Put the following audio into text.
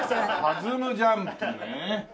弾むジャンプね！